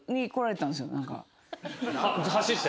走って？